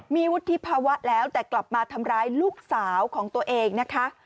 มีวุฒิภาวะแล้วแต่กลับมาทำร้ายลูกสาวของตัวเองนะคะ